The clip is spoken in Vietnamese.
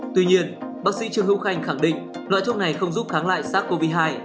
tuy nhiên bác sĩ trương hữu khanh khẳng định loại thuốc này không giúp kháng lại sars cov hai